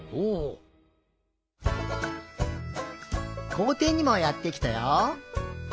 こうていにもやってきたよ。